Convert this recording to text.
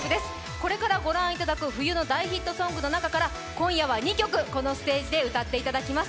これから御覧いただく冬の大ヒットソングの中から今夜は２曲、このステージで歌っていただきます。